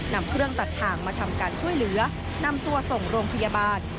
นำเครื่องตัดทางมาทำการช่วยเหลือนำตัวส่งโรงพยาบาล